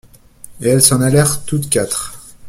Et elles s’en allèrent toutes quatre.